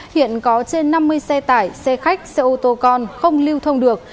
hiện có trên năm mươi xe tải xe khách xe ô tô con không lưu thông được